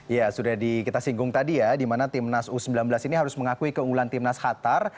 ya sudah kita singgung tadi ya di mana timnas u sembilan belas ini harus mengakui keunggulan timnas qatar